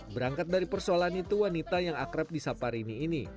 berangkat dari persoalan itu wanita yang akrab di sapa rini ini